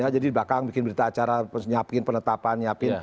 jadi di belakang bikin berita acara penyiapkan penetapan